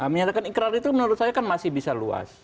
menyatakan ikrar itu menurut saya kan masih bisa luas